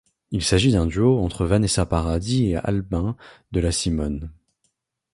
Il s'agit d'un duo entre Vanessa Paradis et Albin de la Simone.